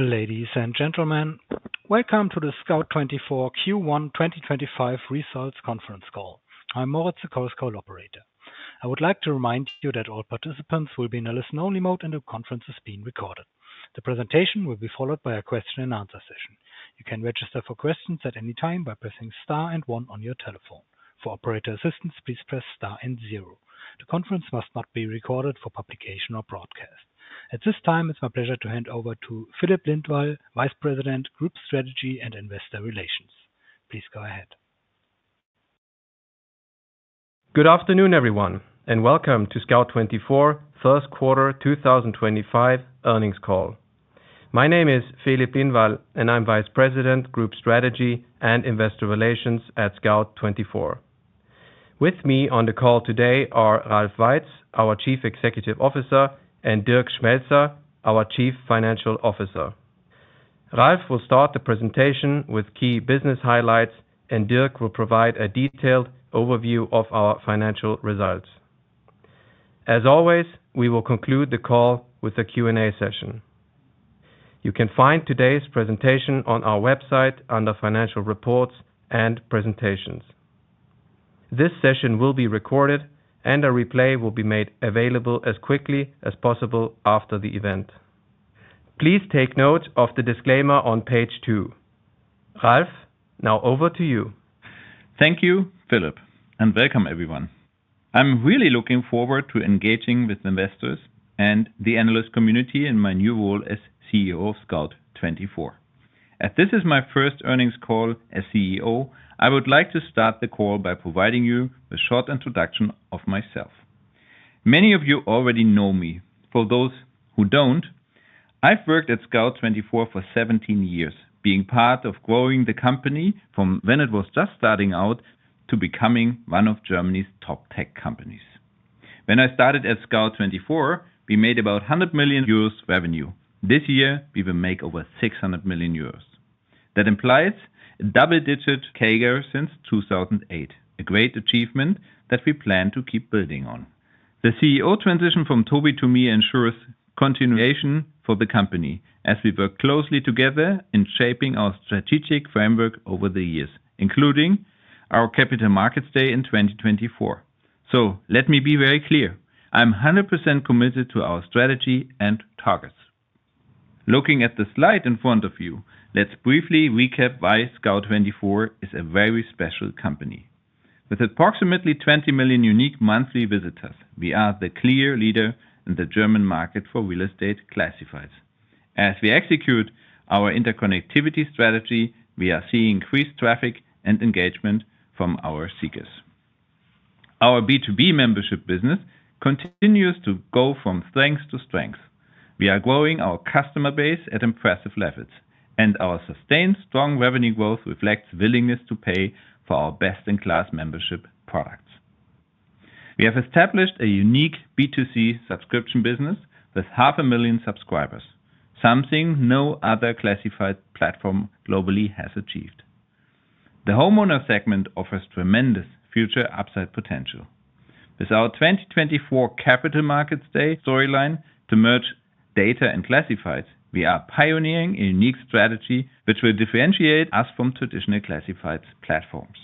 Ladies and gentlemen, welcome to the Scout24 Q1 2025 results conference call. I'm Moritz, the call's operator. I would like to remind you that all participants will be in a listen-only mode, and the conference is being recorded. The presentation will be followed by a question-and-answer session. You can register for questions at any time by pressing star and one on your telephone. For operator assistance, please press star and zero. The conference must not be recorded for publication or broadcast. At this time, it's my pleasure to hand over to Filip Lindvall, Vice President, Group Strategy and Investor Relations. Please go ahead. Good afternoon, everyone, and welcome to Scout24 First Quarter 2025 earnings call. My name is Filip Lindvall, and I'm Vice President, Group Strategy and Investor Relations at Scout24. With me on the call today are Ralf Weitz, our Chief Executive Officer, and Dirk Schmelzer, our Chief Financial Officer. Ralf will start the presentation with key business highlights, and Dirk will provide a detailed overview of our financial results. As always, we will conclude the call with a Q&A session. You can find today's presentation on our website under Financial Reports and Presentations. This session will be recorded, and a replay will be made available as quickly as possible after the event. Please take note of the disclaimer on page two. Ralf, now over to you. Thank you, Filip, and welcome, everyone. I'm really looking forward to engaging with investors and the analyst community in my new role as CEO of Scout24. As this is my first earnings call as CEO, I would like to start the call by providing you a short introduction of myself. Many of you already know me. For those who don't, I've worked at Scout24 for 17 years, being part of growing the company from when it was just starting out to becoming one of Germany's top tech companies. When I started at Scout24, we made about 100 million euros revenue. This year, we will make over 600 million euros. That implies a double-digit CAGR since 2008, a great achievement that we plan to keep building on. The CEO transition from Tobi to me ensures continuation for the company as we work closely together in shaping our strategic framework over the years, including our Capital Market Day in 2024. Let me be very clear: I'm 100% committed to our strategy and targets. Looking at the slide in front of you, let's briefly recap why Scout24 is a very special company. With approximately 20 million unique monthly visitors, we are the clear leader in the German market for real estate classifieds. As we execute our interconnectivity strategy, we are seeing increased traffic and engagement from our seekers. Our B2B membership business continues to go from strength to strength. We are growing our customer base at impressive levels, and our sustained strong revenue growth reflects willingness to pay for our best-in-class membership products. We have established a unique B2C subscription business with 500,000 subscribers, something no other classified platform globally has achieved. The homeowner segment offers tremendous future upside potential. With our 2024 capital markets day storyline to merge data and classifieds, we are pioneering a unique strategy which will differentiate us from traditional classifieds platforms.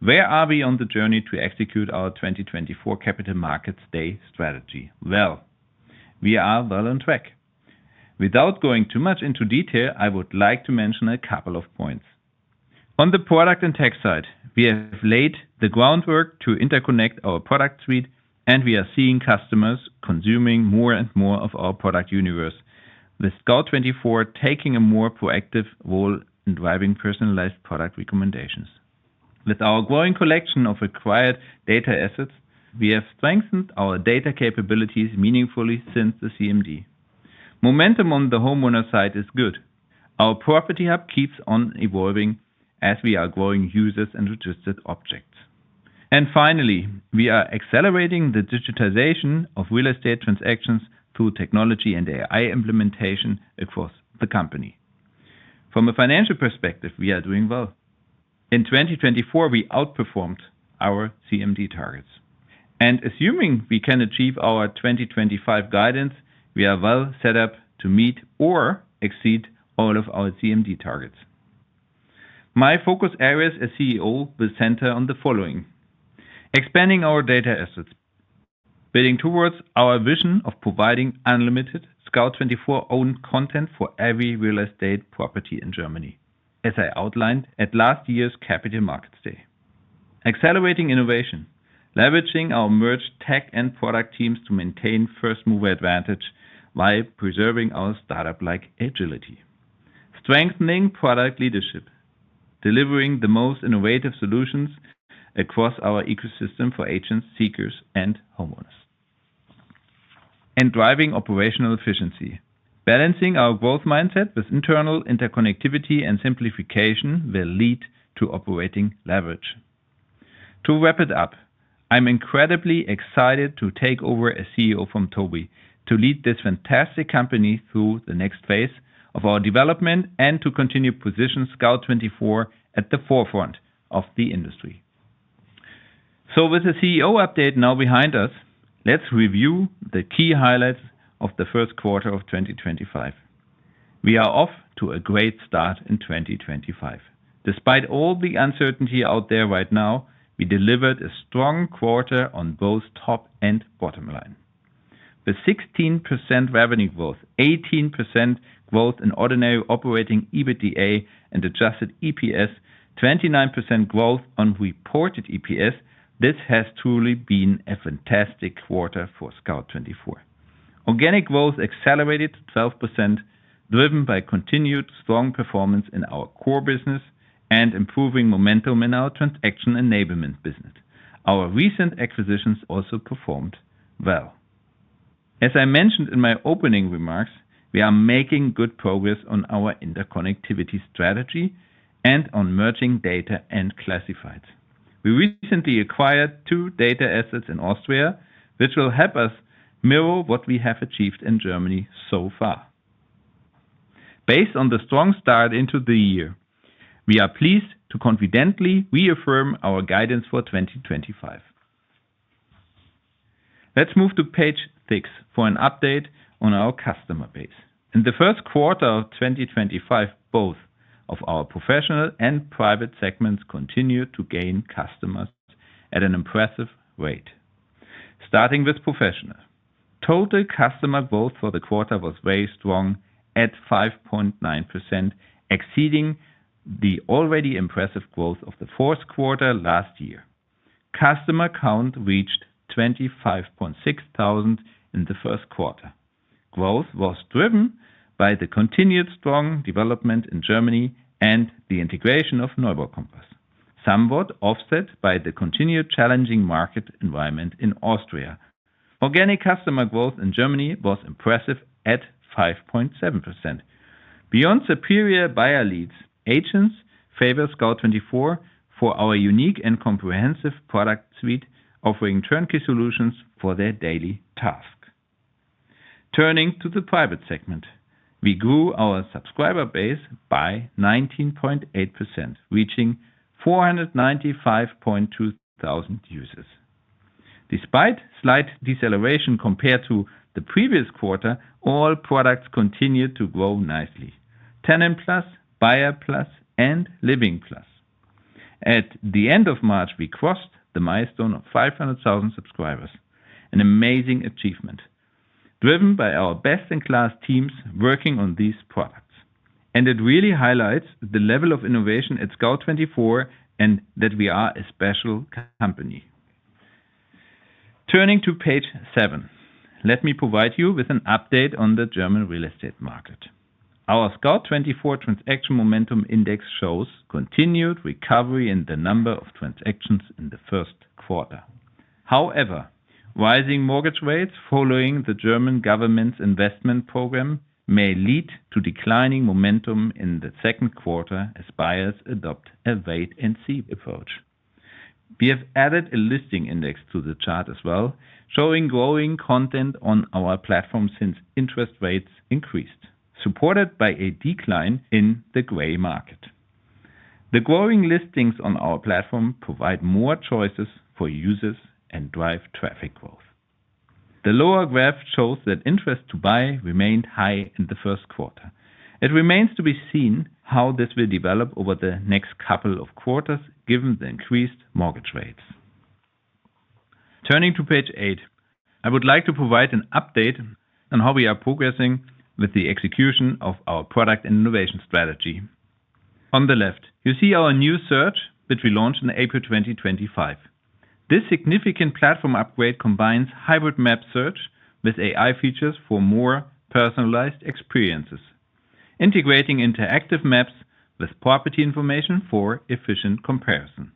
Where are we on the journey to execute our 2024 Capital Markets Day strategy? We are well on track. Without going too much into detail, I would like to mention a couple of points. On the product and tech side, we have laid the groundwork to interconnect our product suite, and we are seeing customers consuming more and more of our product universe, with Scout24 taking a more proactive role in driving personalized product recommendations. With our growing collection of acquired data assets, we have strengthened our data capabilities meaningfully since the CMD. Momentum on the homeowner side is good. Our Property Hub keeps on evolving as we are growing users and registered objects. Finally, we are accelerating the digitization of real estate transactions through technology and AI implementation across the company. From a financial perspective, we are doing well. In 2024, we outperformed our CMD targets. Assuming we can achieve our 2025 guidance, we are well set up to meet or exceed all of our CMD targets. My focus areas as CEO will center on the following: expanding our data assets, building towards our vision of providing unlimited Scout24-owned content for every real estate property in Germany, as I outlined at last year's capital markets day. Accelerating innovation, leveraging our merged tech and product teams to maintain first-mover advantage while preserving our startup-like agility. Strengthening product leadership, delivering the most innovative solutions across our ecosystem for agents, seekers, and homeowners. Driving operational efficiency. Balancing our growth mindset with internal interconnectivity and simplification will lead to operating leverage. To wrap it up, I'm incredibly excited to take over as CEO from Tobi to lead this fantastic company through the next phase of our development and to continue positioning Scout24 at the forefront of the industry. With the CEO update now behind us, let's review the key highlights of the first quarter of 2025. We are off to a great start in 2025. Despite all the uncertainty out there right now, we delivered a strong quarter on both top and bottom line. With 16% revenue growth, 18% growth in ordinary operating EBITDA, and adjusted EPS, 29% growth on reported EPS, this has truly been a fantastic quarter for Scout24. Organic growth accelerated 12%, driven by continued strong performance in our core business and improving momentum in our transaction enablement business. Our recent acquisitions also performed well. As I mentioned in my opening remarks, we are making good progress on our interconnectivity strategy and on merging data and classifieds. We recently acquired two data assets in Austria, which will help us mirror what we have achieved in Germany so far. Based on the strong start into the year, we are pleased to confidently reaffirm our guidance for 2025. Let's move to page six for an update on our customer base. In the first quarter of 2025, both our professional and private segments continued to gain customers at an impressive rate. Starting with professional, total customer growth for the quarter was very strong at 5.9%, exceeding the already impressive growth of the fourth quarter last year. Customer count reached 25,600 in the first quarter. Growth was driven by the continued strong development in Germany and the integration of Neubau Kompass, somewhat offset by the continued challenging market environment in Austria. Organic customer growth in Germany was impressive at 5.7%. Beyond superior buyer leads, agents favor Scout24 for our unique and comprehensive product suite, offering turnkey solutions for their daily tasks. Turning to the private segment, we grew our subscriber base by 19.8%, reaching 495,200 users. Despite slight deceleration compared to the previous quarter, all products continued to grow nicely: Tenant Plus, Buyer Plus, and Living Plus. At the end of March, we crossed the milestone of 500,000 subscribers, an amazing achievement, driven by our best-in-class teams working on these products. It really highlights the level of innovation at Scout24 and that we are a special company. Turning to page seven, let me provide you with an update on the German real estate market. Our Scout24 Transaction Momentum Index shows continued recovery in the number of transactions in the first quarter. However, rising mortgage rates following the German government's investment program may lead to declining momentum in the second quarter as buyers adopt a wait-and-see approach. We have added a listing index to the chart as well, showing growing content on our platform since interest rates increased, supported by a decline in the gray market. The growing listings on our platform provide more choices for users and drive traffic growth. The lower graph shows that interest to buy remained high in the first quarter. It remains to be seen how this will develop over the next couple of quarters given the increased mortgage rates. Turning to page eight, I would like to provide an update on how we are progressing with the execution of our product and innovation strategy. On the left, you see our new search, which we launched in April 2025. This significant platform upgrade combines hybrid map search with AI features for more personalized experiences, integrating interactive maps with property information for efficient comparison.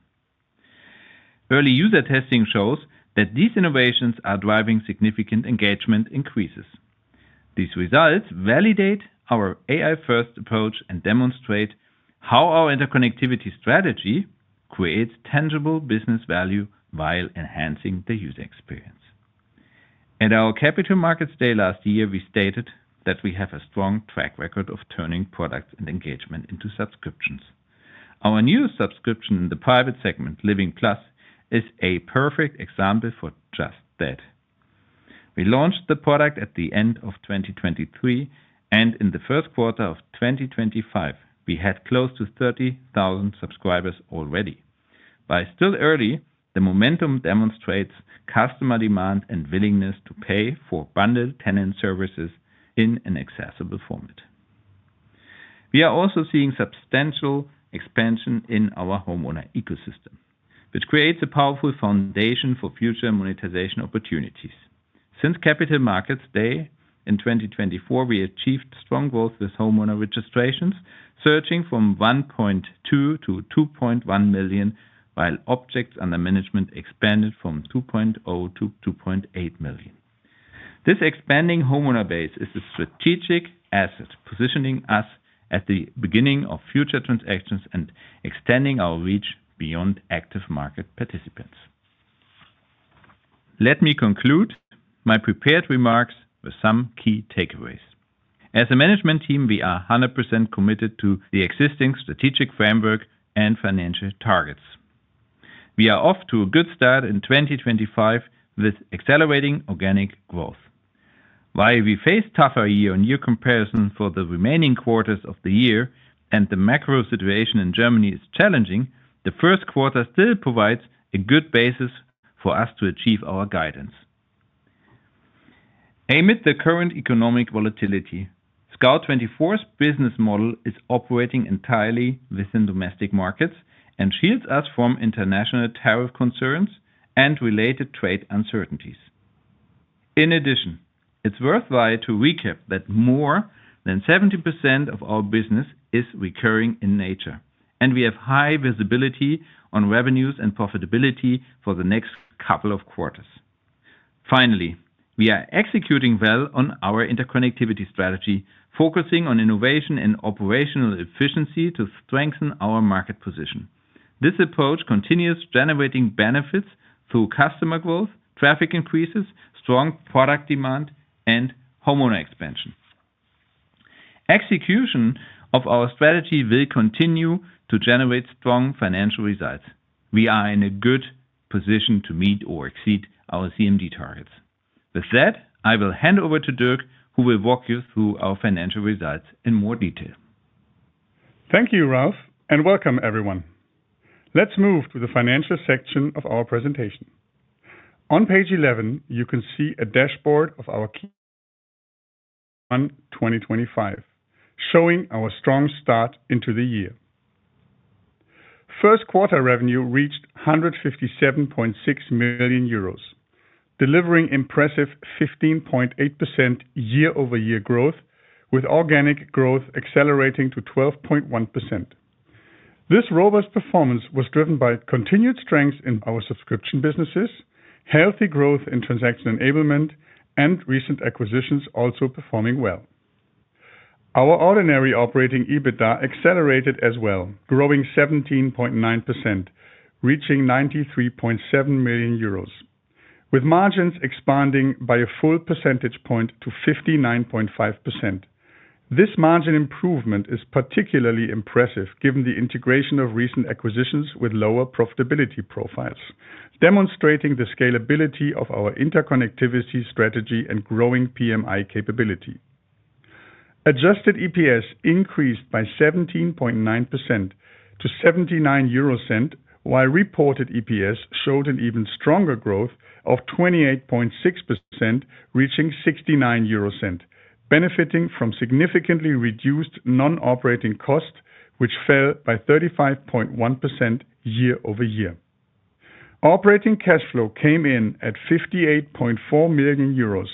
Early user testing shows that these innovations are driving significant engagement increases. These results validate our AI-first approach and demonstrate how our interconnectivity strategy creates tangible business value while enhancing the user experience. At our capital markets day last year, we stated that we have a strong track record of turning products and engagement into subscriptions. Our new subscription in the private segment, Living Plus, is a perfect example for just that. We launched the product at the end of 2023, and in the first quarter of 2024, we had close to 30,000 subscribers already. While still early, the momentum demonstrates customer demand and willingness to pay for bundled tenant services in an accessible format. We are also seeing substantial expansion in our homeowner ecosystem, which creates a powerful foundation for future monetization opportunities. Since capital markets day in 2023, we achieved strong growth with homeowner registrations surging from 1.2 million to 2.1 million, while objects under management expanded from 2.0 million to 2.8 million. This expanding homeowner base is a strategic asset, positioning us at the beginning of future transactions and extending our reach beyond active market participants. Let me conclude my prepared remarks with some key takeaways. As a management team, we are 100% committed to the existing strategic framework and financial targets. We are off to a good start in 2025 with accelerating organic growth. While we face tougher year-on-year comparisons for the remaining quarters of the year and the macro situation in Germany is challenging, the first quarter still provides a good basis for us to achieve our guidance. Amid the current economic volatility, Scout24's business model is operating entirely within domestic markets and shields us from international tariff concerns and related trade uncertainties. In addition, it's worthwhile to recap that more than 70% of our business is recurring in nature, and we have high visibility on revenues and profitability for the next couple of quarters. Finally, we are executing well on our interconnectivity strategy, focusing on innovation and operational efficiency to strengthen our market position. This approach continues generating benefits through customer growth, traffic increases, strong product demand, and homeowner expansion. Execution of our strategy will continue to generate strong financial results. We are in a good position to meet or exceed our CMD targets. With that, I will hand over to Dirk, who will walk you through our financial results in more detail. Thank you, Ralf, and welcome everyone. Let's move to the financial section of our presentation. On page 11, you can see a dashboard of our key performance for 2025, showing our strong start into the year. First quarter revenue reached 157.6 million euros, delivering impressive 15.8% year-over-year growth, with organic growth accelerating to 12.1%. This robust performance was driven by continued strength in our subscription businesses, healthy growth in transaction enablement, and recent acquisitions also performing well. Our ordinary operating EBITDA accelerated as well, growing 17.9%, reaching 93.7 million euros, with margins expanding by a full percentage point to 59.5%. This margin improvement is particularly impressive given the integration of recent acquisitions with lower profitability profiles, demonstrating the scalability of our interconnectivity strategy and growing PMI capability. Adjusted EPS increased by 17.9% to 0.79, while reported EPS showed an even stronger growth of 28.6%, reaching 0.69, benefiting from significantly reduced non-operating costs, which fell by 35.1% year-over-year. Operating cash flow came in at 58.4 million euros,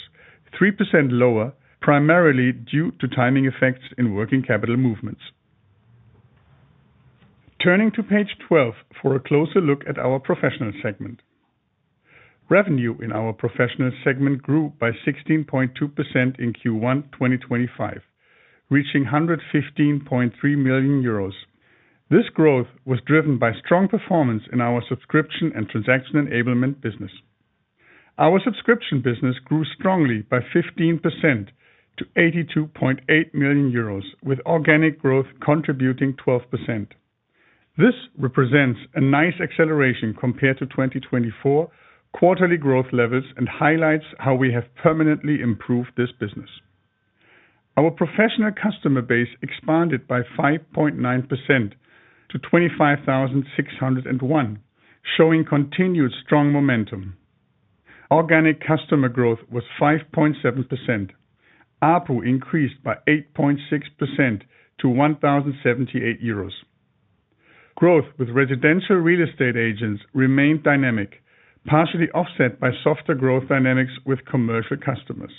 3% lower, primarily due to timing effects in working capital movements. Turning to page 12 for a closer look at our professional segment. Revenue in our professional segment grew by 16.2% in Q1 2025, reaching 115.3 million euros. This growth was driven by strong performance in our subscription and transaction enablement business. Our subscription business grew strongly by 15% to 82.8 million euros, with organic growth contributing 12%. This represents a nice acceleration compared to 2024 quarterly growth levels and highlights how we have permanently improved this business. Our professional customer base expanded by 5.9% to 25,601, showing continued strong momentum. Organic customer growth was 5.7%. APU increased by 8.6% to 1,078 euros. Growth with residential real estate agents remained dynamic, partially offset by softer growth dynamics with commercial customers.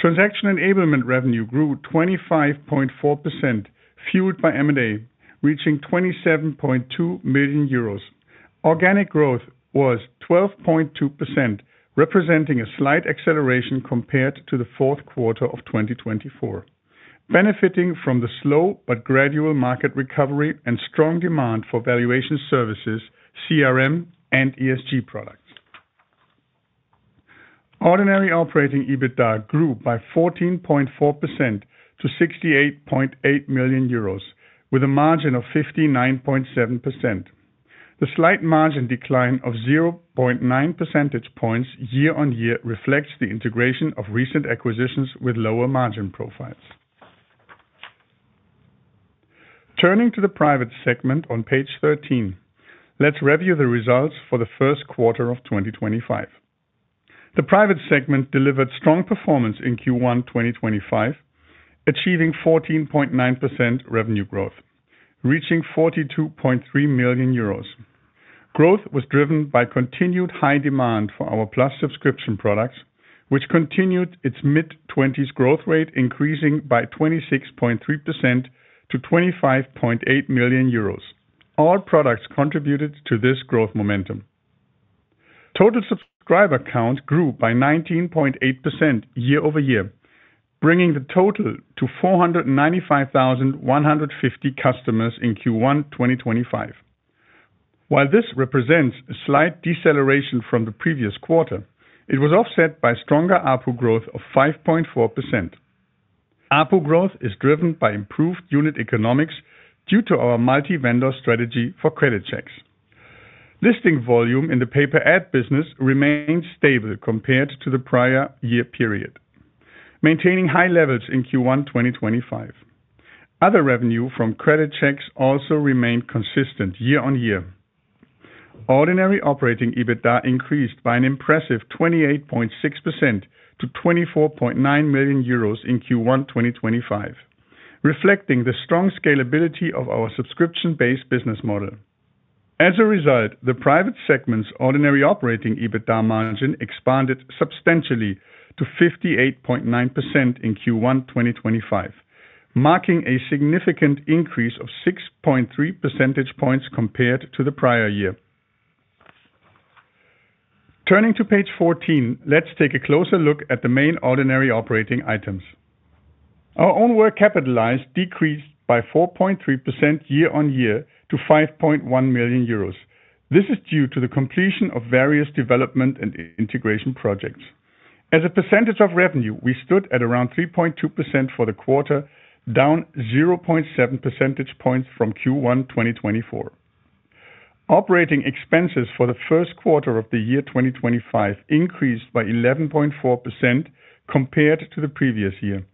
Transaction enablement revenue grew 25.4%, fueled by M&A, reaching 27.2 million euros. Organic growth was 12.2%, representing a slight acceleration compared to the fourth quarter of 2024, benefiting from the slow but gradual market recovery and strong demand for valuation services, CRM, and ESG products. Ordinary operating EBITDA grew by 14.4% to 68.8 million euros, with a margin of 59.7%. The slight margin decline of 0.9 percentage points year-on-year reflects the integration of recent acquisitions with lower margin profiles. Turning to the private segment on page 13, let's review the results for the first quarter of 2025. The private segment delivered strong performance in Q1 2025, achieving 14.9% revenue growth, reaching 42.3 million euros. Growth was driven by continued high demand for our plus subscription products, which continued its mid-20s growth rate, increasing by 26.3% to 25.8 million euros. All products contributed to this growth momentum. Total subscriber count grew by 19.8% year-over-year, bringing the total to 495,150 customers in Q1 2025. While this represents a slight deceleration from the previous quarter, it was offset by stronger APU growth of 5.4%. APU growth is driven by improved unit economics due to our multi-vendor strategy for credit checks. Listing volume in the paper ad business remained stable compared to the prior year period, maintaining high levels in Q1 2025. Other revenue from credit checks also remained consistent year-on-year. Ordinary operating EBITDA increased by an impressive 28.6% to 24.9 million euros in Q1 2025, reflecting the strong scalability of our subscription-based business model. As a result, the private segment's ordinary operating EBITDA margin expanded substantially to 58.9% in Q1 2025, marking a significant increase of 6.3 percentage points compared to the prior year. Turning to page 14, let's take a closer look at the main ordinary operating items. Our own work capitalized decreased by 4.3% year-on-year to 5.1 million euros. This is due to the completion of various development and integration projects. As a percentage of revenue, we stood at around 3.2% for the quarter, down 0.7 percentage points from Q1 2024. Operating expenses for the first quarter of the year 2025 increased by 11.4% compared to the previous year,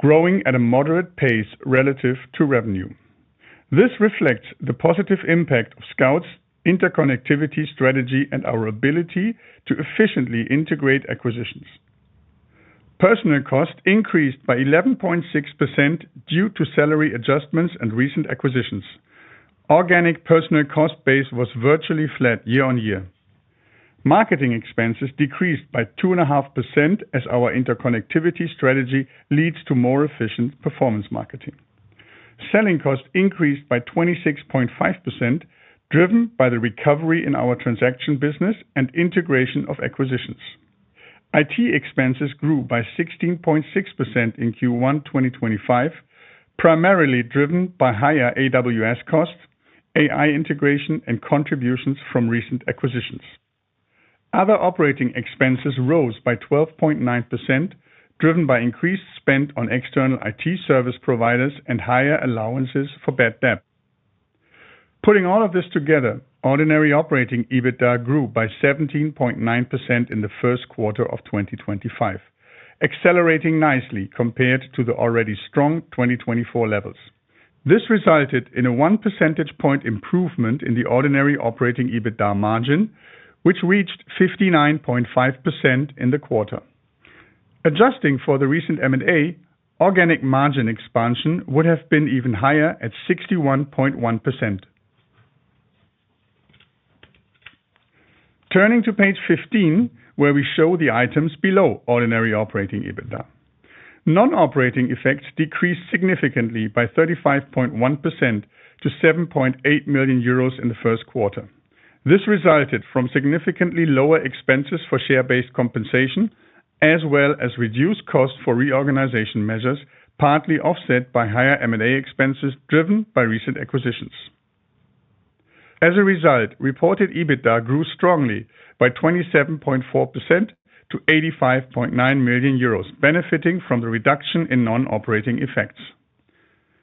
growing at a moderate pace relative to revenue. This reflects the positive impact of Scout24's interconnectivity strategy and our ability to efficiently integrate acquisitions. Personnel cost increased by 11.6% due to salary adjustments and recent acquisitions. Organic personnel cost base was virtually flat year-on-year. Marketing expenses decreased by 2.5% as our interconnectivity strategy leads to more efficient performance marketing. Selling cost increased by 26.5%, driven by the recovery in our transaction business and integration of acquisitions. IT expenses grew by 16.6% in Q1 2025, primarily driven by higher AWS cost, AI integration, and contributions from recent acquisitions. Other operating expenses rose by 12.9%, driven by increased spend on external IT service providers and higher allowances for bad debt. Putting all of this together, ordinary operating EBITDA grew by 17.9% in the first quarter of 2025, accelerating nicely compared to the already strong 2024 levels. This resulted in a one percentage point improvement in the ordinary operating EBITDA margin, which reached 59.5% in the quarter. Adjusting for the recent M&A, organic margin expansion would have been even higher at 61.1%. Turning to page 15, where we show the items below ordinary operating EBITDA. Non-operating effects decreased significantly by 35.1% to 7.8 million euros in the first quarter. This resulted from significantly lower expenses for share-based compensation, as well as reduced costs for reorganization measures, partly offset by higher M&A expenses driven by recent acquisitions. As a result, reported EBITDA grew strongly by 27.4% to 85.9 million euros, benefiting from the reduction in non-operating effects.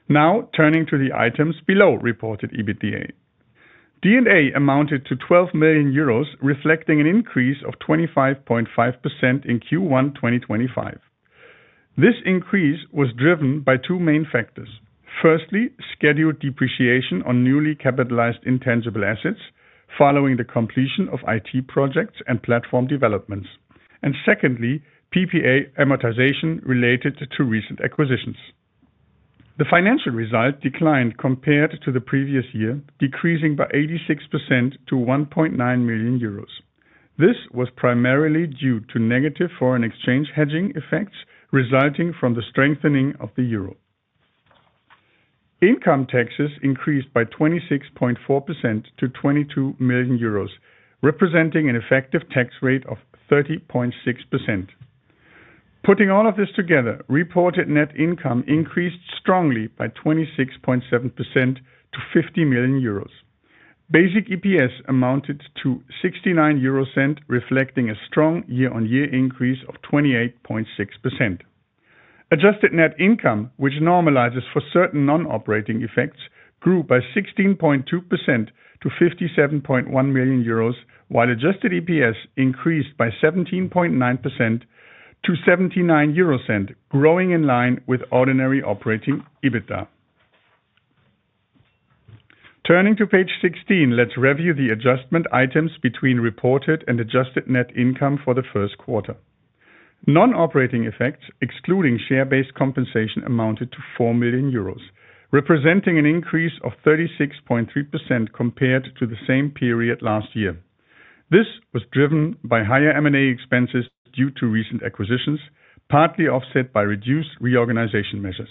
Now turning to the items below reported EBITDA. D&A amounted to 12 million euros, reflecting an increase of 25.5% in Q1 2025. This increase was driven by two main factors. Firstly, scheduled depreciation on newly capitalized intangible assets following the completion of IT projects and platform developments. Secondly, PPA amortization related to recent acquisitions. The financial result declined compared to the previous year, decreasing by 86% to 1.9 million euros. This was primarily due to negative foreign exchange hedging effects resulting from the strengthening of the euro. Income taxes increased by 26.4% to 22 million euros, representing an effective tax rate of 30.6%. Putting all of this together, reported net income increased strongly by 26.7% to 50 million euros. Basic EPS amounted to 0.69, reflecting a strong year-on-year increase of 28.6%. Adjusted net income, which normalizes for certain non-operating effects, grew by 16.2% to 57.1 million euros, while adjusted EPS increased by 17.9% to 0.79, growing in line with ordinary operating EBITDA. Turning to page 16, let's review the adjustment items between reported and adjusted net income for the first quarter. Non-operating effects, excluding share-based compensation, amounted to 4 million euros, representing an increase of 36.3% compared to the same period last year. This was driven by higher M&A expenses due to recent acquisitions, partly offset by reduced reorganization measures.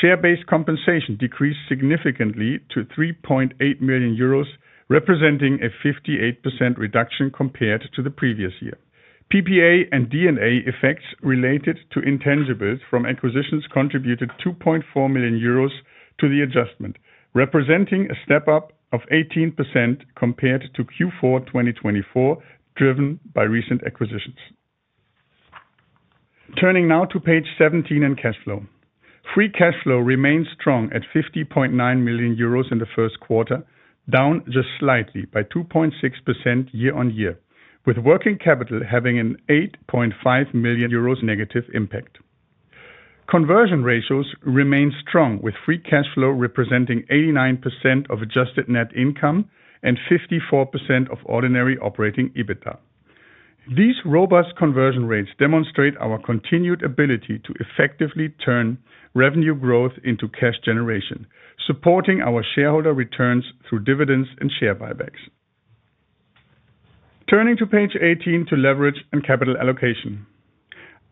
Share-based compensation decreased significantly to 3.8 million euros, representing a 58% reduction compared to the previous year. PPA and D&A effects related to intangibles from acquisitions contributed 2.4 million euros to the adjustment, representing a step up of 18% compared to Q4 2024, driven by recent acquisitions. Turning now to page 17 and cash flow. Free cash flow remained strong at 50.9 million euros in the first quarter, down just slightly by 2.6% year-on-year, with working capital having an 8.5 million euros negative impact. Conversion ratios remained strong, with free cash flow representing 89% of adjusted net income and 54% of ordinary operating EBITDA. These robust conversion rates demonstrate our continued ability to effectively turn revenue growth into cash generation, supporting our shareholder returns through dividends and share buybacks. Turning to page 18 to leverage and capital allocation.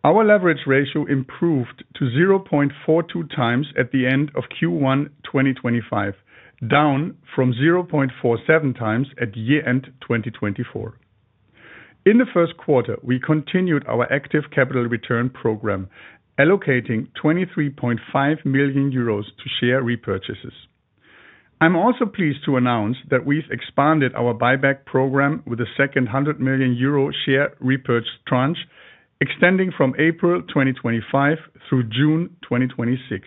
Our leverage ratio improved to 0.42x at the end of Q1 2025, down from 0.47x at year-end 2024. In the first quarter, we continued our active capital return program, allocating 23.5 million euros to share repurchases. I'm also pleased to announce that we've expanded our buyback program with a second 100 million euro share repurchase tranche, extending from April 2025 through June 2026.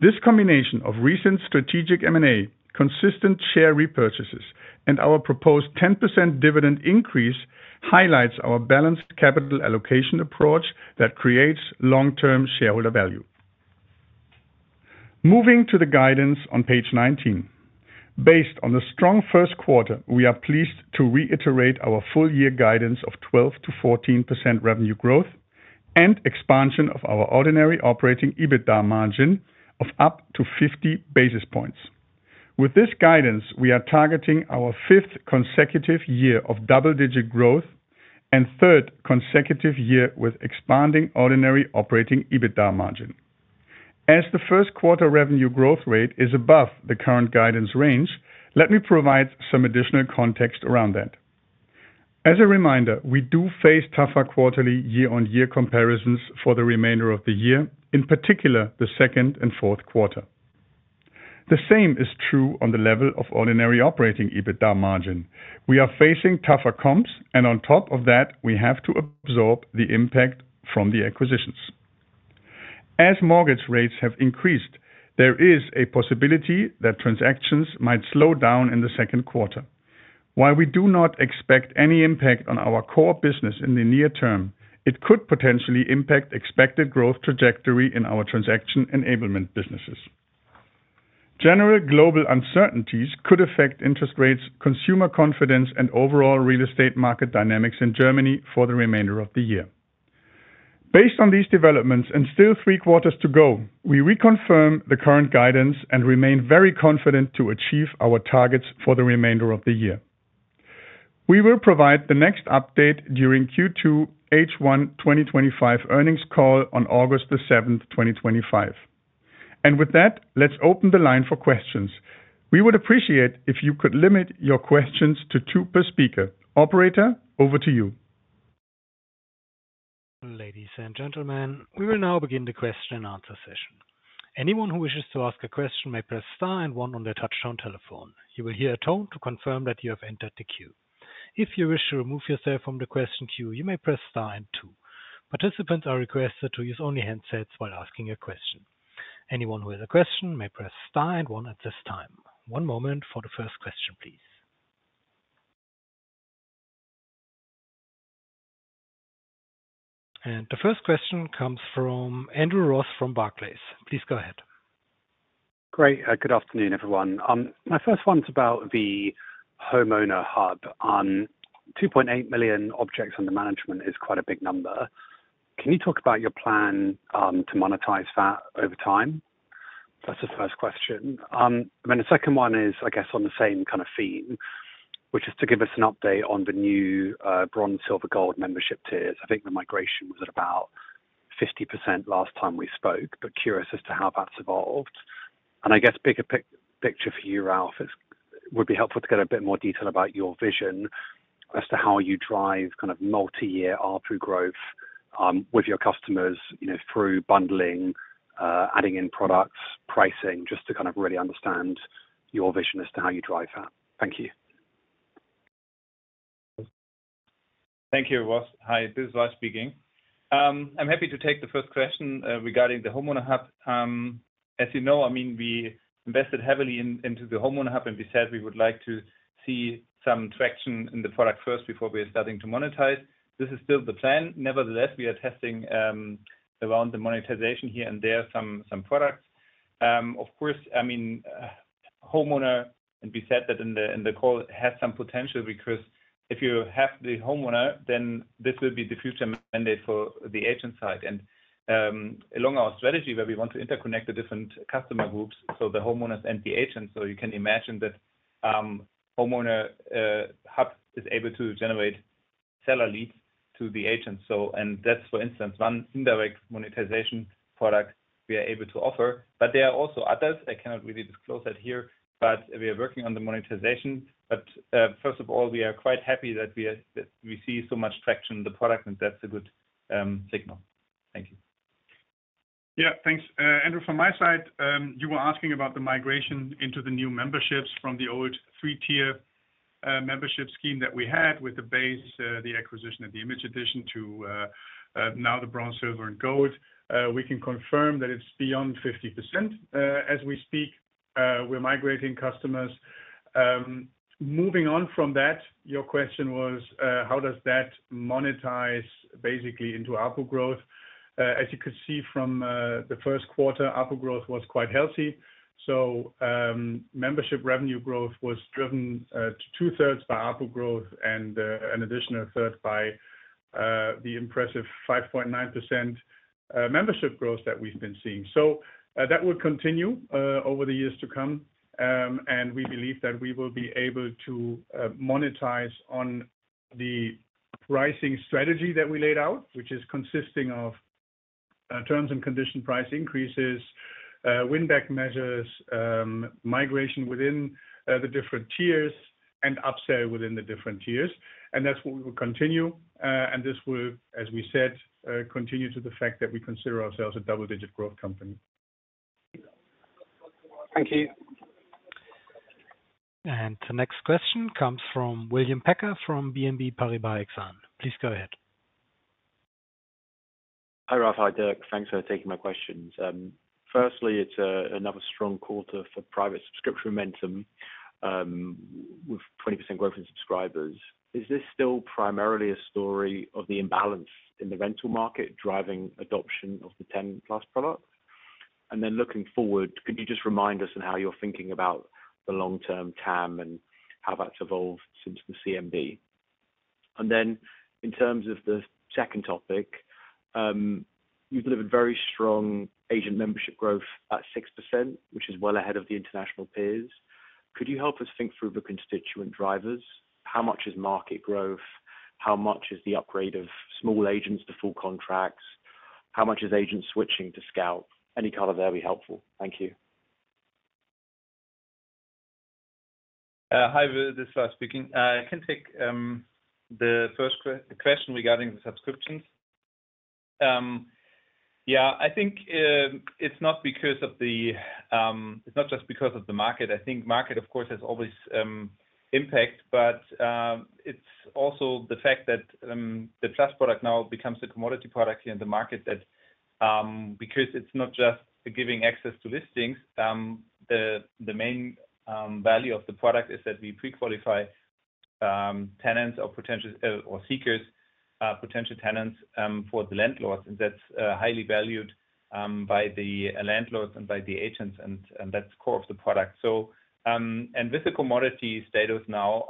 This combination of recent strategic M&A, consistent share repurchases, and our proposed 10% dividend increase highlights our balanced capital allocation approach that creates long-term shareholder value. Moving to the guidance on page 19. Based on the strong first quarter, we are pleased to reiterate our full-year guidance of 12%-14% revenue growth and expansion of our ordinary operating EBITDA margin of up to 50 basis points. With this guidance, we are targeting our fifth consecutive year of double-digit growth and third consecutive year with expanding ordinary operating EBITDA margin. As the first quarter revenue growth rate is above the current guidance range, let me provide some additional context around that. As a reminder, we do face tougher quarterly year-on-year comparisons for the remainder of the year, in particular the second and fourth quarter. The same is true on the level of ordinary operating EBITDA margin. We are facing tougher comps, and on top of that, we have to absorb the impact from the acquisitions. As mortgage rates have increased, there is a possibility that transactions might slow down in the second quarter. While we do not expect any impact on our core business in the near term, it could potentially impact expected growth trajectory in our transaction enablement businesses. General global uncertainties could affect interest rates, consumer confidence, and overall real estate market dynamics in Germany for the remainder of the year. Based on these developments and still three quarters to go, we reconfirm the current guidance and remain very confident to achieve our targets for the remainder of the year. We will provide the next update during Q2 H1 2025 earnings call on August 7, 2025. With that, let's open the line for questions. We would appreciate it if you could limit your questions to two per speaker. Operator, over to you. Ladies and gentlemen, we will now begin the question-and-answer session. Anyone who wishes to ask a question may press star and one on their touch-tone telephone. You will hear a tone to confirm that you have entered the queue. If you wish to remove yourself from the question queue, you may press star and two. Participants are requested to use only handsets while asking a question. Anyone who has a question may press star and one at this time. One moment for the first question, please. The first question comes from Andrew Ross from Barclays. Please go ahead. Great. Good afternoon, everyone. My first one is about the homeowner hub. 2.8 million objects under management is quite a big number. Can you talk about your plan to monetize that over time? That is the first question. The second one is, I guess, on the same kind of theme, which is to give us an update on the new Bronze, Silver, Gold membership tiers. I think the migration was at about 50% last time we spoke, but curious as to how that has evolved. I guess a bigger picture for you, Ralf, would be helpful to get a bit more detail about your vision as to how you drive kind of multi-year APU growth with your customers through bundling, adding in products, pricing, just to kind of really understand your vision as to how you drive that. Thank you. Thank you, Ross. Hi, this is Ralf speaking. I'm happy to take the first question regarding the homeowner hub. As you know, I mean, we invested heavily into the homeowner hub, and we said we would like to see some traction in the product first before we are starting to monetize. This is still the plan. Nevertheless, we are testing around the monetization here and there some products. Of course, I mean, homeowner, and we said that in the call, has some potential because if you have the homeowner, then this will be the future mandate for the agent side. Along our strategy, where we want to interconnect the different customer groups, the homeowners and the agents, you can imagine that homeowner hub is able to generate seller leads to the agents. That is, for instance, one indirect monetization product we are able to offer. There are also others. I cannot really disclose that here, but we are working on the monetization. First of all, we are quite happy that we see so much traction in the product, and that is a good signal. Thank you. Yeah, thanks. Andrew, from my side, you were asking about the migration into the new memberships from the old three-tier membership scheme that we had with the base, the acquisition of the image edition to now the Bronze, Silver, and Gold. We can confirm that it's beyond 50% as we speak. We're migrating customers. Moving on from that, your question was, how does that monetize basically into APU growth? As you could see from the first quarter, APU growth was quite healthy. Membership revenue growth was driven to two-thirds by APU growth and an additional third by the impressive 5.9% membership growth that we've been seeing. That will continue over the years to come. We believe that we will be able to monetize on the pricing strategy that we laid out, which is consisting of terms and condition price increases, win-back measures, migration within the different tiers, and upsell within the different tiers. That is what we will continue. This will, as we said, continue to the fact that we consider ourselves a double-digit growth company. Thank you. The next question comes from William Pecker from BNB Paribas Exan. Please go ahead. Hi, Ralf. Hi, Dirk. Thanks for taking my questions. Firstly, it is another strong quarter for private subscription momentum with 20% growth in subscribers. Is this still primarily a story of the imbalance in the rental market driving adoption of the Tenant Plus product? Looking forward, could you just remind us on how you are thinking about the long-term TAM and how that has evolved since the CMD? In terms of the second topic, you've delivered very strong agent membership growth at 6%, which is well ahead of the international peers. Could you help us think through the constituent drivers? How much is market growth? How much is the upgrade of small agents to full contracts? How much is agents switching to Scout24? Any color there would be helpful. Thank you. Hi, this is Ralf speaking. I can take the first question regarding the subscriptions. Yeah, I think it's not just because of the market. I think market, of course, has always impact, but it's also the fact that the Plus product now becomes a commodity product here in the market, because it's not just giving access to listings. The main value of the product is that we pre-qualify tenants or seekers, potential tenants for the landlords. That's highly valued by the landlords and by the agents, and that's core of the product. With the commodity status now,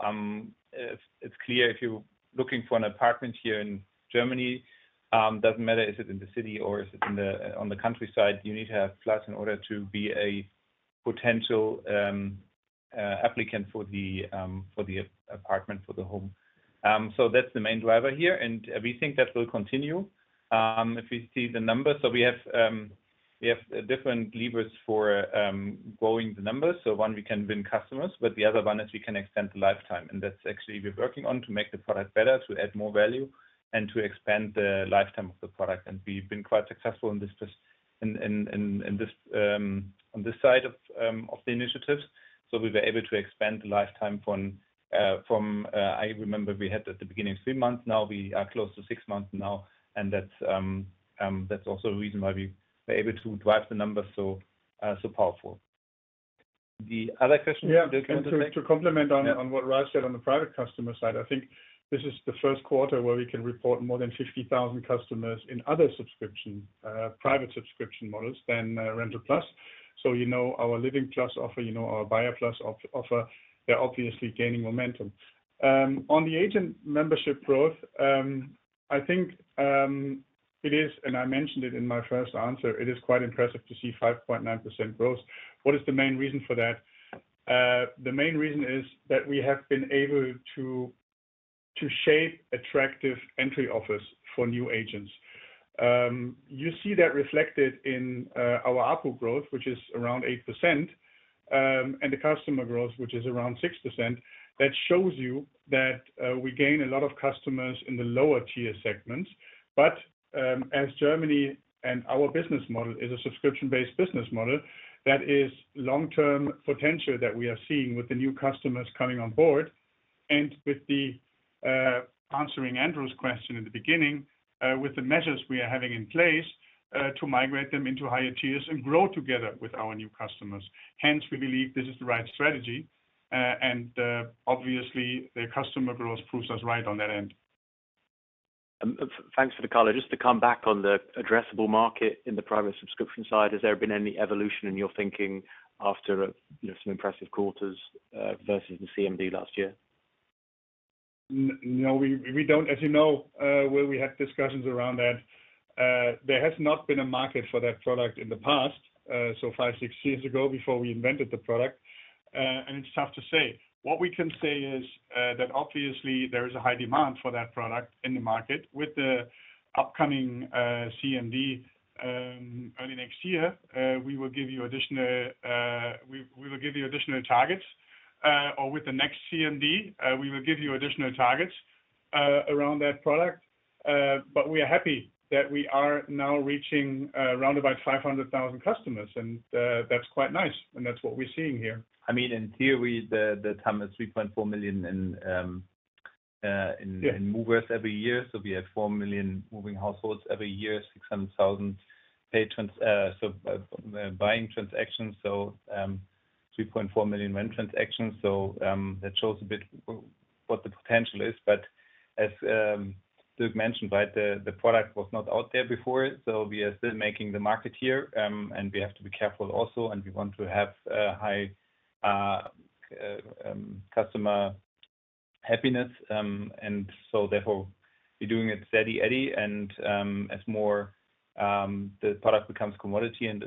it's clear if you're looking for an apartment here in Germany, it doesn't matter if it's in the city or if it's on the countryside, you need to have Plus in order to be a potential applicant for the apartment, for the home. That's the main driver here, and we think that will continue if we see the numbers. We have different levers for growing the numbers. One, we can win customers, but the other one is we can extend the lifetime. That's actually what we're working on, to make the product better, to add more value, and to expand the lifetime of the product. We've been quite successful in this on this side of the initiatives. We were able to expand the lifetime from, I remember we had at the beginning three months, now we are close to six months now. That is also the reason why we were able to drive the numbers so powerful. The other question is. To complement on what Ralf said on the private customer side. I think this is the first quarter where we can report more than 50,000 customers in other subscription, private subscription models than Rental Plus. Our Living Plus offer, our Buyer Plus offer, they are obviously gaining momentum. On the agent membership growth, I think it is, and I mentioned it in my first answer, it is quite impressive to see 5.9% growth. What is the main reason for that? The main reason is that we have been able to shape attractive entry offers for new agents. You see that reflected in our APU growth, which is around 8%, and the customer growth, which is around 6%. That shows you that we gain a lot of customers in the lower tier segments. As Germany and our business model is a subscription-based business model, that is long-term potential that we are seeing with the new customers coming on board. With answering Andrew's question in the beginning, with the measures we are having in place to migrate them into higher tiers and grow together with our new customers, we believe this is the right strategy. Obviously, the customer growth proves us right on that end. Thanks for the color. Just to come back on the addressable market in the private subscription side, has there been any evolution in your thinking after some impressive quarters versus the CMD last year? No, we don't. As you know, we had discussions around that. There has not been a market for that product in the past, so five, six years ago before we invented the product. It's tough to say. What we can say is that obviously there is a high demand for that product in the market. With the upcoming CMD early next year, we will give you additional targets. With the next CMD, we will give you additional targets around that product. We are happy that we are now reaching around about 500,000 customers. That's quite nice. That's what we're seeing here. I mean, in theory, the TAM is 3.4 million in movers every year. We have 4 million moving households every year, 600,000 patrons, so buying transactions, so 3.4 million rent transactions. That shows a bit what the potential is. As Dirk mentioned, right, the product was not out there before. We are still making the market here. We have to be careful also. We want to have high customer happiness. Therefore, we're doing it steady, Eddie. As the product becomes more of a commodity and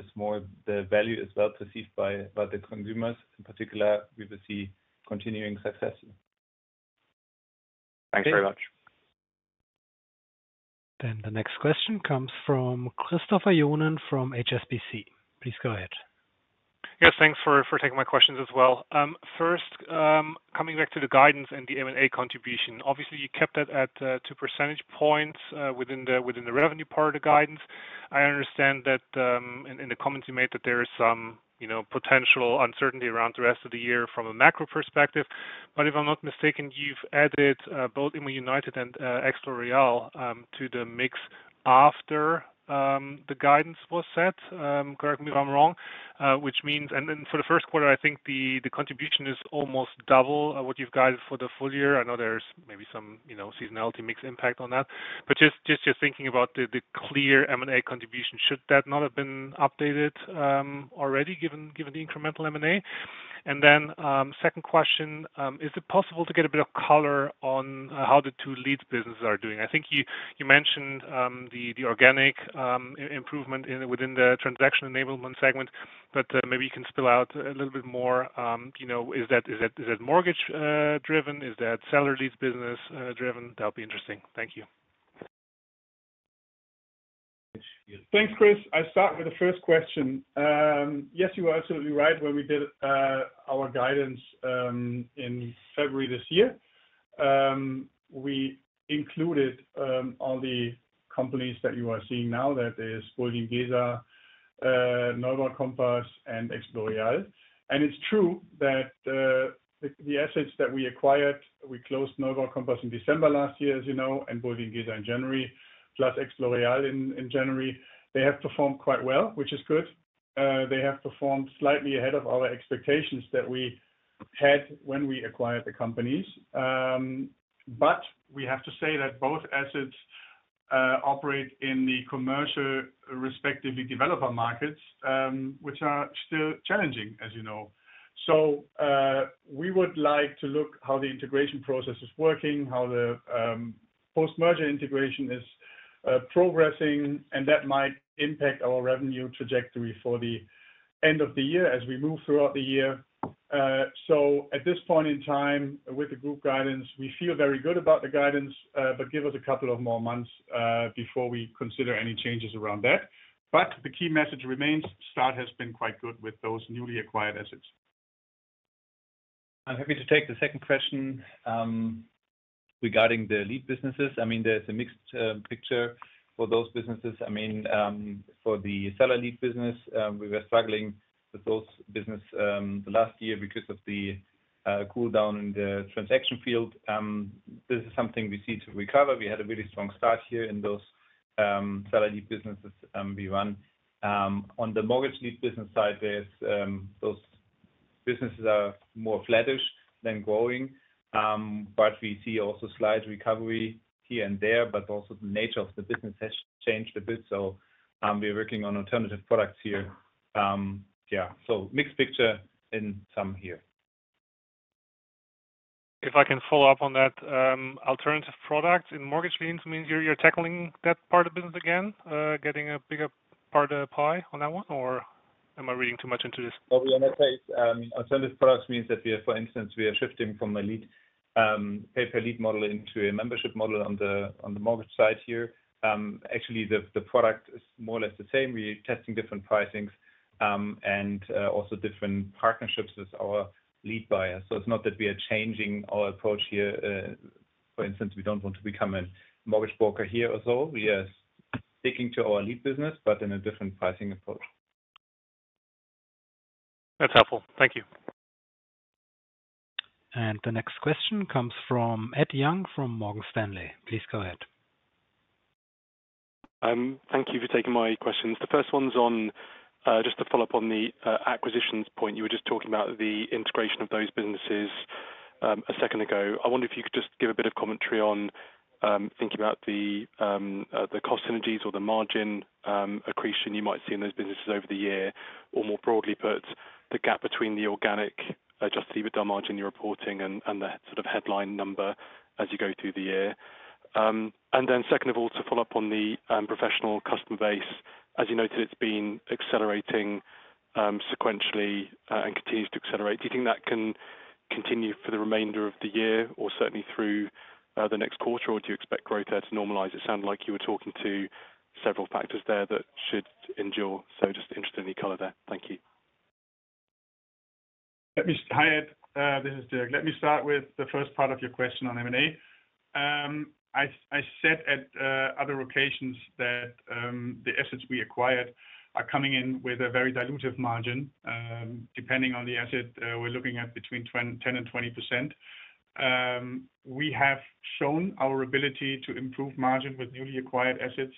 the value is well perceived by the consumers, in particular, we will see continuing success. Thanks very much. The next question comes from Christopher Johnen from HSBC. Please go ahead. Yes, thanks for taking my questions as well. First, coming back to the guidance and the M&A contribution, obviously, you kept that at two percentage points within the revenue part of the guidance. I understand that in the comments you made that there is some potential uncertainty around the rest of the year from a macro perspective. If I'm not mistaken, you've added both IMMOunited and Explore Real to the mix after the guidance was set. Correct me if I'm wrong, which means for the first quarter, I think the contribution is almost double what you've guided for the full year. I know there's maybe some seasonality mix impact on that. Just thinking about the clear M&A contribution, should that not have been updated already given the incremental M&A? Second question, is it possible to get a bit of color on how the two leads businesses are doing? I think you mentioned the organic improvement within the transaction enablement segment, but maybe you can spell out a little bit more. Is that mortgage-driven? Is that seller leads business driven? That'll be interesting. Thank you. Thanks, Chris. I'll start with the first question. Yes, you were absolutely right when we did our guidance in February this year. We included all the companies that you are seeing now, that is IMMOunited, Neubau Kompass, and Explore Real. It's true that the assets that we acquired, we closed Neubau Kompass in December last year, as you know, and IMMOunited in January, plus Explore Real in January. They have performed quite well, which is good. They have performed slightly ahead of our expectations that we had when we acquired the companies. We have to say that both assets operate in the commercial, respectively developer markets, which are still challenging, as you know. We would like to look at how the integration process is working, how the post-merger integration is progressing, and that might impact our revenue trajectory for the end of the year as we move throughout the year. At this point in time, with the group guidance, we feel very good about the guidance, but give us a couple of more months before we consider any changes around that. The key message remains: start has been quite good with those newly acquired assets. I'm happy to take the second question regarding the lead businesses. I mean, there's a mixed picture for those businesses. I mean, for the seller lead business, we were struggling with those businesses last year because of the cooldown in the transaction field. This is something we see to recover. We had a really strong start here in those seller lead businesses we run. On the mortgage lead business side, those businesses are more flattish than growing. We see also slight recovery here and there, but also the nature of the business has changed a bit. We're working on alternative products here. Yeah. Mixed picture in some here. If I can follow up on that, alternative products in mortgage leads, I mean, you're tackling that part of the business again, getting a bigger part of the pie on that one, or am I reading too much into this? We are in a phase. Alternative products means that we are, for instance, shifting from a lead pay-per-lead model into a membership model on the mortgage side here. Actually, the product is more or less the same. We are testing different pricings and also different partnerships with our lead buyers. It's not that we are changing our approach here. For instance, we don't want to become a mortgage broker here or so. We are sticking to our lead business, but in a different pricing approach. That's helpful. Thank you. The next question comes from Ed Young from Morgan Stanley. Please go ahead. Thank you for taking my questions. The first one's on just to follow up on the acquisitions point. You were just talking about the integration of those businesses a second ago. I wonder if you could just give a bit of commentary on thinking about the cost synergies or the margin accretion you might see in those businesses over the year, or more broadly put, the gap between the organic adjusted EBITDA margin you're reporting and the sort of headline number as you go through the year. Second of all, to follow up on the professional customer base, as you noted, it's been accelerating sequentially and continues to accelerate. Do you think that can continue for the remainder of the year or certainly through the next quarter, or do you expect growth there to normalize? It sounded like you were talking to several factors there that should endure. Just interested in the color there. Thank you. Hi, Ed. This is Dirk. Let me start with the first part of your question on M&A. I said at other occasions that the assets we acquired are coming in with a very dilutive margin. Depending on the asset, we're looking at between 10-20%. We have shown our ability to improve margin with newly acquired assets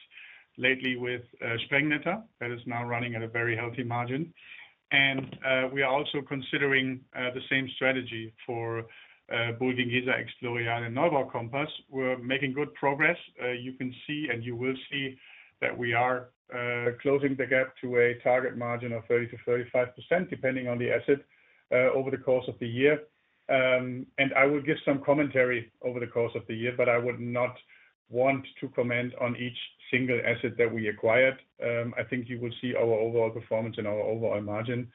lately with Sprengnetta that is now running at a very healthy margin. We are also considering the same strategy for Explore Real and Neubau Kompass. We're making good progress. You can see and you will see that we are closing the gap to a target margin of 30%-35%, depending on the asset, over the course of the year. I will give some commentary over the course of the year, but I would not want to comment on each single asset that we acquired. I think you will see our overall performance and our overall margin.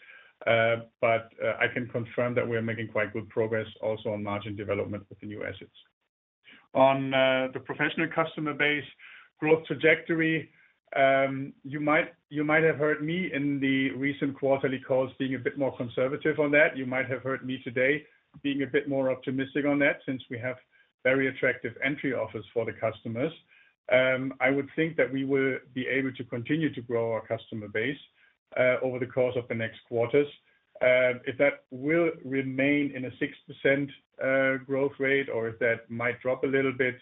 I can confirm that we are making quite good progress also on margin development with the new assets. On the professional customer base growth trajectory, you might have heard me in the recent quarterly calls being a bit more conservative on that. You might have heard me today being a bit more optimistic on that since we have very attractive entry offers for the customers. I would think that we will be able to continue to grow our customer base over the course of the next quarters. If that will remain in a 6% growth rate or if that might drop a little bit,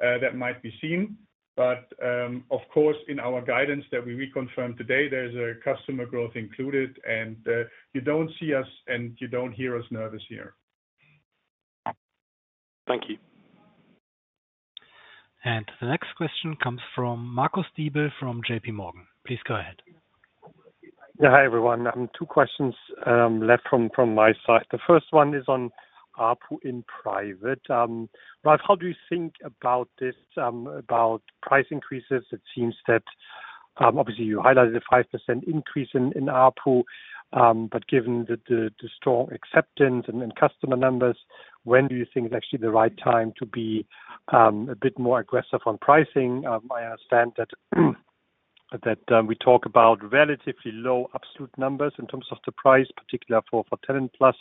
that might be seen. Of course, in our guidance that we reconfirmed today, there is a customer growth included, and you do not see us and you do not hear us nervous here. Thank you. The next question comes from Marcus Diebel from JP Morgan. Please go ahead. Yeah, hi everyone. Two questions left from my side. The first one is on RPU in private. Ralf, how do you think about this, about price increases? It seems that obviously you highlighted a 5% increase in RPU, but given the strong acceptance and customer numbers, when do you think is actually the right time to be a bit more aggressive on pricing? I understand that we talk about relatively low absolute numbers in terms of the price, particularly for Tenant Plus.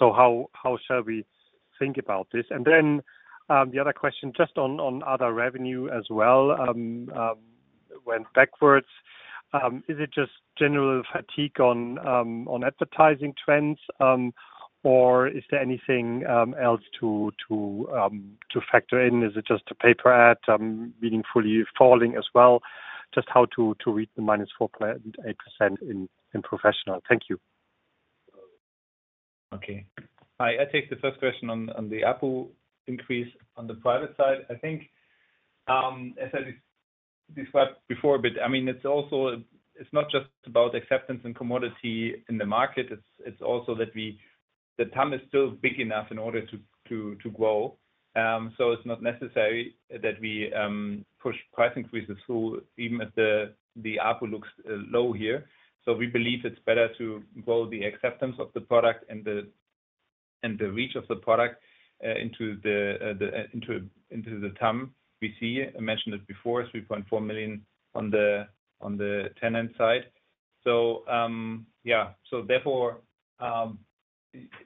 How shall we think about this? The other question just on other revenue as well, went backwards. Is it just general fatigue on advertising trends, or is there anything else to factor in? Is it just the paper ad meaningfully falling as well? How to read the -4.8% in professional? Thank you. Okay. I take the first question on the APU increase on the private side. I think, as I described before, but I mean, it's also not just about acceptance and commodity in the market. It's also that the TAM is still big enough in order to grow. It's not necessary that we push price increases through even if the APU looks low here. We believe it's better to grow the acceptance of the product and the reach of the product into the TAM. We see, I mentioned it before, 3.4 million on the tenant side. Yeah. Therefore,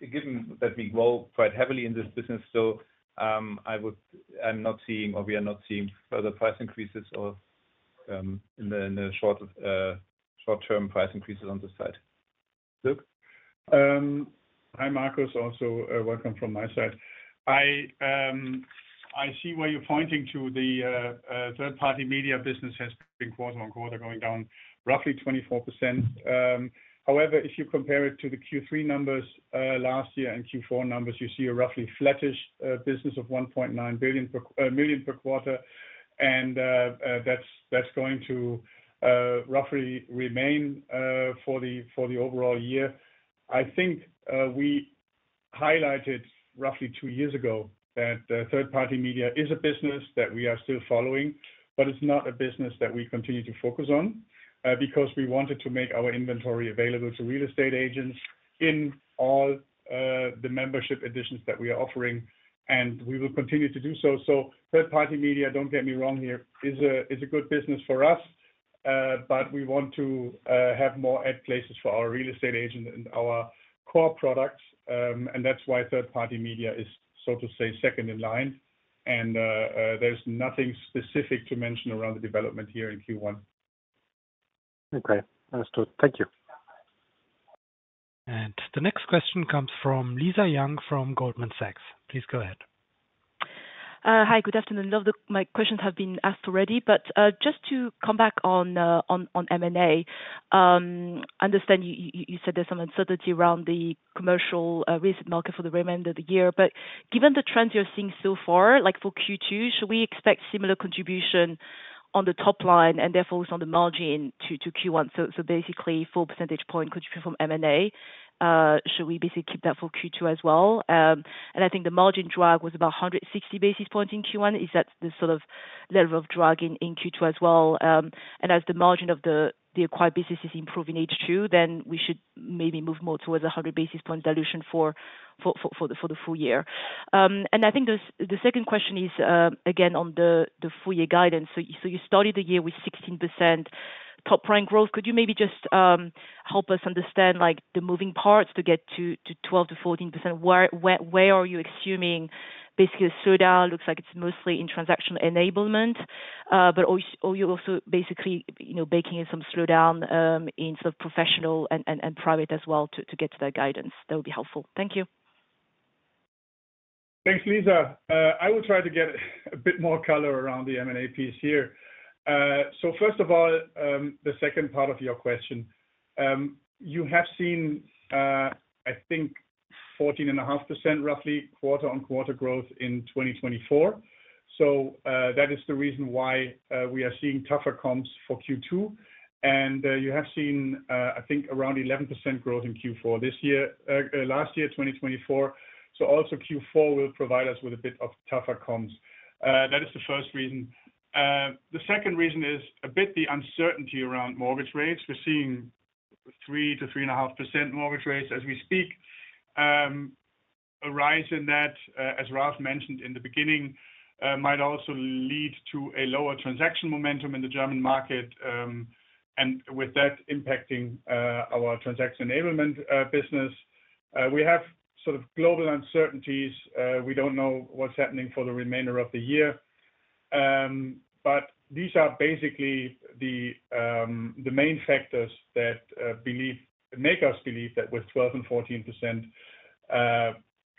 given that we grow quite heavily in this business, I'm not seeing or we are not seeing further price increases or in the short-term price increases on this side. Dirk? Hi, Marcus. Also welcome from my side. I see where you're pointing to. The third-party media business has been quarter on quarter going down roughly 24%. However, if you compare it to the Q3 numbers last year and Q4 numbers, you see a roughly flattish business of 1.9 million per quarter. That's going to roughly remain for the overall year. I think we highlighted roughly two years ago that third-party media is a business that we are still following, but it's not a business that we continue to focus on because we wanted to make our inventory available to real estate agents in all the membership editions that we are offering, and we will continue to do so. Third-party media, don't get me wrong here, is a good business for us, but we want to have more ad places for our real estate agent and our core products. That's why third-party media is, so to say, second in line. There is nothing specific to mention around the development here in Q1. Okay. Understood. Thank you. The next question comes from Lisa Young from Goldman Sachs. Please go ahead. Hi, good afternoon. My questions have been asked already, but just to come back on M&A, I understand you said there's some uncertainty around the commercial real estate market for the remainder of the year. Given the trends you're seeing so far, like for Q2, should we expect similar contribution on the top line and therefore also on the margin to Q1? Basically, four percentage points, could you perform M&A? Should we basically keep that for Q2 as well? I think the margin drag was about 160 basis points in Q1. Is that the sort of level of drag in Q2 as well? As the margin of the acquired business is improving each year, then we should maybe move more towards a 100 basis point dilution for the full year. I think the second question is, again, on the full year guidance. You started the year with 16% top line growth. Could you maybe just help us understand the moving parts to get to 12%-14%? Where are you assuming basically the slowdown looks like it's mostly in transactional enablement, but you're also basically baking in some slowdown in sort of professional and private as well to get to that guidance? That would be helpful. Thank you. Thanks, Lisa. I will try to get a bit more color around the M&A piece here. First of all, the second part of your question. You have seen, I think, 14.5% roughly quarter on quarter growth in 2024. That is the reason why we are seeing tougher comps for Q2. You have seen, I think, around 11% growth in Q4 this year, last year, 2024. Also Q4 will provide us with a bit of tougher comps. That is the first reason. The second reason is a bit the uncertainty around mortgage rates. We're seeing 3%-3.5% mortgage rates as we speak. A rise in that, as Ralf mentioned in the beginning, might also lead to a lower transaction momentum in the German market, and with that impacting our transaction enablement business. We have sort of global uncertainties. We don't know what's happening for the remainder of the year. These are basically the main factors that make us believe that with 12%-14%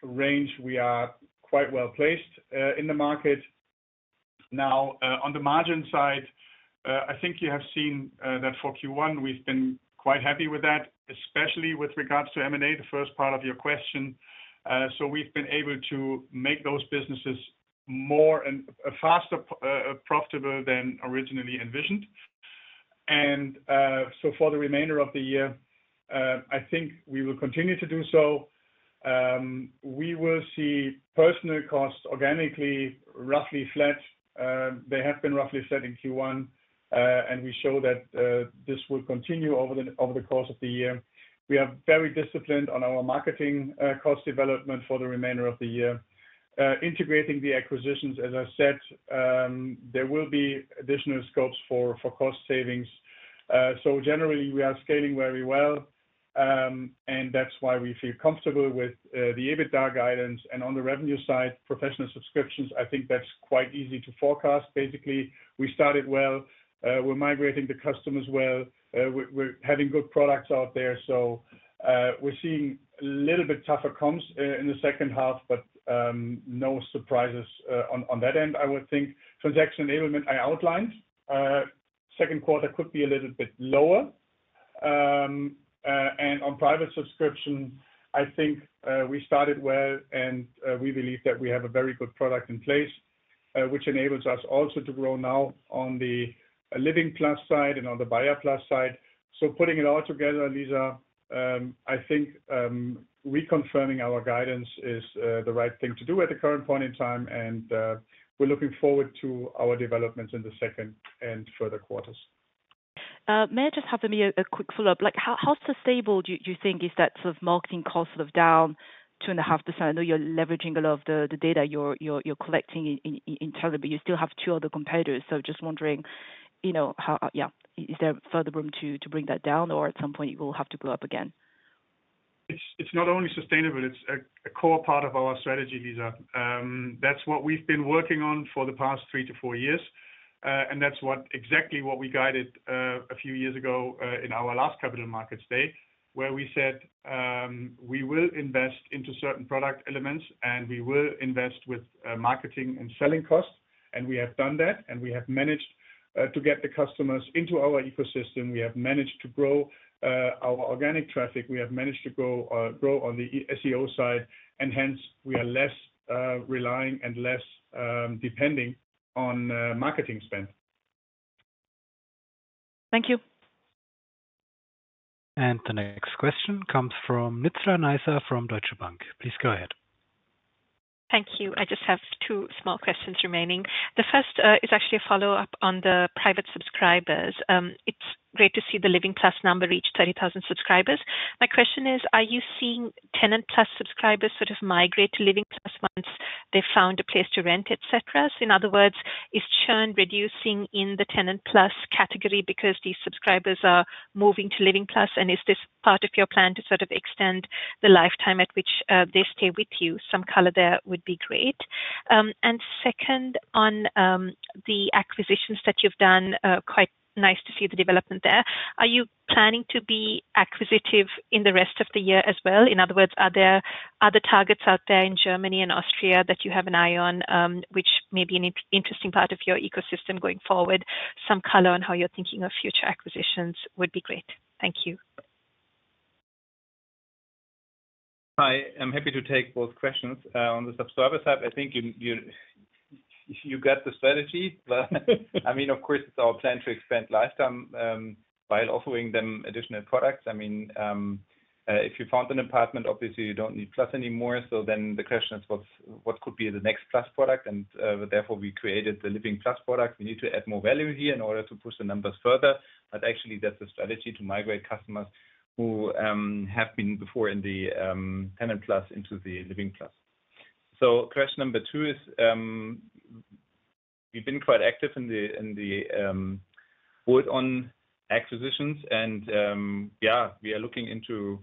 range, we are quite well placed in the market. Now, on the margin side, I think you have seen that for Q1, we've been quite happy with that, especially with regards to M&A, the first part of your question. We've been able to make those businesses more and faster profitable than originally envisioned. For the remainder of the year, I think we will continue to do so. We will see personnel costs organically roughly flat. They have been roughly flat in Q1, and we show that this will continue over the course of the year. We are very disciplined on our marketing cost development for the remainder of the year. Integrating the acquisitions, as I said, there will be additional scopes for cost savings. Generally, we are scaling very well, and that is why we feel comfortable with the EBITDA guidance. On the revenue side, professional subscriptions, I think that is quite easy to forecast. Basically, we started well. We are migrating the customers well. We are having good products out there. We are seeing a little bit tougher comps in the second half, but no surprises on that end, I would think. Transaction enablement I outlined. Second quarter could be a little bit lower. And on private subscriptions, I think we started well, and we believe that we have a very good product in place, which enables us also to grow now on the Living Plus side and on the Buyer Plus side. So putting it all together, Lisa, I think reconfirming our guidance is the right thing to do at the current point in time, and we're looking forward to our developments in the second and further quarters. May I just have a quick follow-up? How sustainable do you think is that sort of marketing cost sort of down 2.5%? I know you're leveraging a lot of the data you're collecting internally, but you still have two other competitors. So just wondering, yeah, is there further room to bring that down, or at some point, you will have to go up again? It's not only sustainable. It's a core part of our strategy, Lisa. That's what we've been working on for the past three to four years. That's exactly what we guided a few years ago in our last Capital Markets Day, where we said we will invest into certain product elements, and we will invest with marketing and selling costs. We have done that, and we have managed to get the customers into our ecosystem. We have managed to grow our organic traffic. We have managed to grow on the SEO side, and hence, we are less relying and less depending on marketing spend. Thank you. The next question comes from Nizla Naizer from Deutsche Bank. Please go ahead. Thank you. I just have two small questions remaining. The first is actually a follow-up on the private subscribers. It's great to see the Living Plus number reach 30,000 subscribers. My question is, are you seeing Tenant Plus subscribers sort of migrate to Living Plus once they've found a place to rent, etc.? In other words, is churn reducing in the Tenant Plus category because these subscribers are moving to Living Plus? Is this part of your plan to sort of extend the lifetime at which they stay with you? Some color there would be great. Second, on the acquisitions that you've done, quite nice to see the development there. Are you planning to be acquisitive in the rest of the year as well? In other words, are there other targets out there in Germany and Austria that you have an eye on, which may be an interesting part of your ecosystem going forward? Some color on how you're thinking of future acquisitions would be great. Thank you. Hi. I'm happy to take both questions. On the subsurface side, I think you got the strategy. I mean, of course, it's our plan to expand lifetime while offering them additional products. I mean, if you found an apartment, obviously, you don't need Plus anymore. The question is, what could be the next Plus product? Therefore, we created the Living Plus product. We need to add more value here in order to push the numbers further. Actually, that's a strategy to migrate customers who have been before in the Tenant Plus into the Living Plus. Question number two is, we've been quite active in the board on acquisitions, and yeah, we are looking into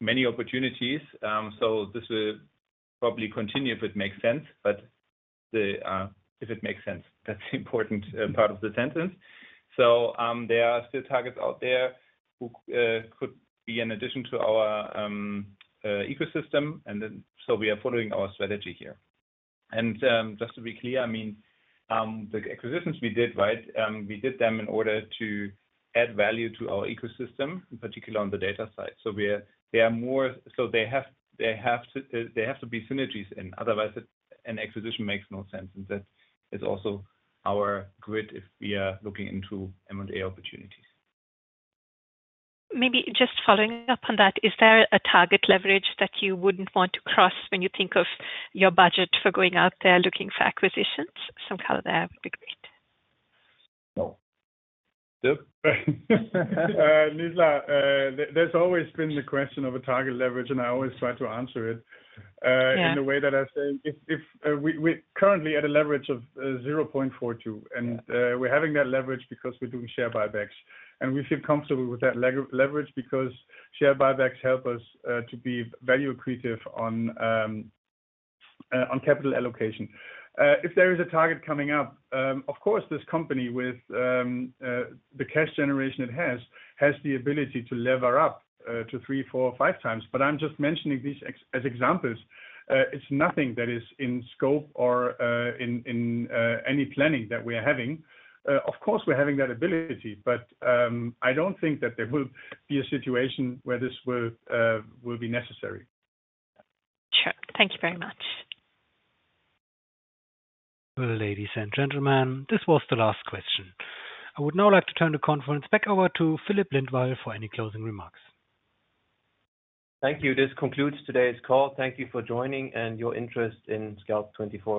many opportunities. This will probably continue if it makes sense, but if it makes sense, that's the important part of the sentence. There are still targets out there who could be in addition to our ecosystem. We are following our strategy here. Just to be clear, I mean, the acquisitions we did, right, we did them in order to add value to our ecosystem, in particular on the data side. They are more so they have to be synergies in. Otherwise, an acquisition makes no sense. That is also our grid if we are looking into M&A opportunities. Maybe just following up on that, is there a target leverage that you would not want to cross when you think of your budget for going out there looking for acquisitions? Some color there would be great. No. Dirk? Lisa, there has always been the question of a target leverage, and I always try to answer it in the way that I say. Currently, at a leverage of 0.42, and we're having that leverage because we're doing share buybacks. We feel comfortable with that leverage because share buybacks help us to be value accretive on capital allocation. If there is a target coming up, of course, this company with the cash generation it has has the ability to lever up to three, four, five times. I'm just mentioning these as examples. It's nothing that is in scope or in any planning that we are having. Of course, we're having that ability, but I don't think that there will be a situation where this will be necessary. Sure. Thank you very much. Ladies and gentlemen, this was the last question. I would now like to turn the conference back over to Filip Lindvall for any closing remarks. Thank you. This concludes today's call. Thank you for joining and your interest in Scout24.